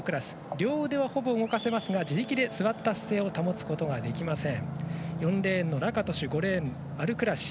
両腕を動かすことはできますが自力で座った姿勢を保つことができません。